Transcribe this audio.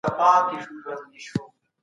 زه به سبا ونې ته اوبه ورکړم.